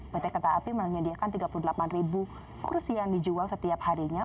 pt kereta api menyediakan tiga puluh delapan kursi yang dijual setiap harinya